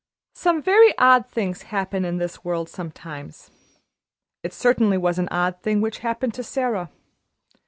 Some very odd things happen in this world sometimes. It certainly was an odd thing which happened to Sara.